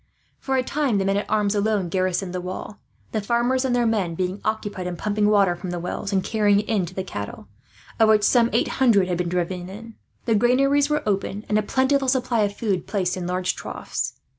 For a time, the men at arms alone garrisoned the wall; the farmers and their men being occupied in pumping water from the wells and carrying it to the cattle, of which some eight hundred had been driven in. The granaries were opened, and a plentiful supply of food placed in large troughs.